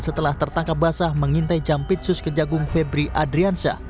setelah tertangkap basah mengintai campit sus ke jagung febri adrian syah